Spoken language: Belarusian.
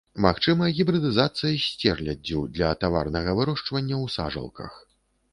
Магчыма гібрыдызацыя з сцерляддзю для таварнага вырошчвання ў сажалках.